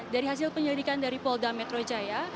dari hasil penyelidikan dari polda metro jaya